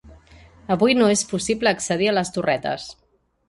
Avui no és possible accedir a les torretes.